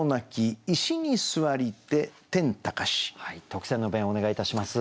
特選の弁をお願いいたします。